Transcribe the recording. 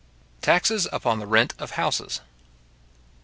Taxes upon the Rent of Houses.